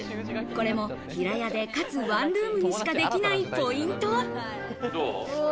これも平屋で、かつワンルームにしかできないポイント。